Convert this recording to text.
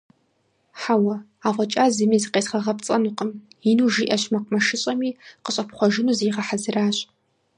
- Хьэуэ, афӀэкӀа зыми зыкъезгъэгъэпцӀэнукъым! - ину жиӀэщ мэкъумэшыщӀэми къыщӀэпхъуэжыну зигъэхьэзыращ.